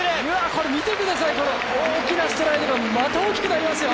これ見てください、大きなストライドがまた大きくなりますよ。